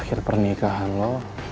akhir pernikahan lo